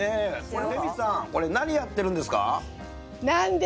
レミさん何をやってるんですか？